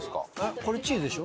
これチーズでしょ？